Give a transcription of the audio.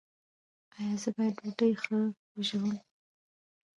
ایا زه باید ډوډۍ ښه وژووم؟